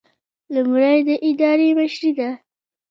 لومړی د ادارې مشري ده.